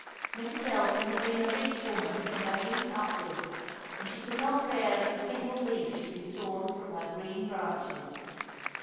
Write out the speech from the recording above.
Mrs. Elton had been a rich woman from her youth upward, and she could not bear that a single leaf should be torn from her green branches.